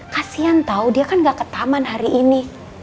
kasian tahu dia kan gak ke taman hari ini